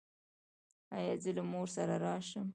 ایا زه له مور سره راشم؟